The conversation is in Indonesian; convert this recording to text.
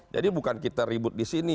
jadi bukan kita ribut disini